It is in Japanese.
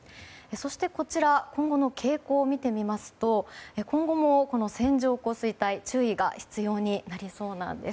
そして今後の傾向を見てみますと今後も線状降水帯に注意が必要になりそうなんです。